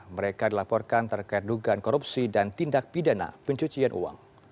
mereka dilaporkan terkait dugaan korupsi dan tindak pidana pencucian uang